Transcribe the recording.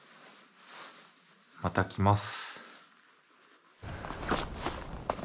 また来ます。